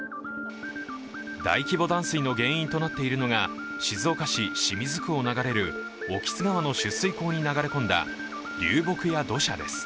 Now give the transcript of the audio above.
大規模断水の原因となっているのが静岡県清水区を流れる興津川の取水口に流れ込んだ流木や土砂です。